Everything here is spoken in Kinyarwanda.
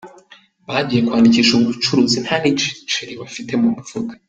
Bagiye kwandikisha ubucuruzi ntan’igiceri bafite mu mufuka.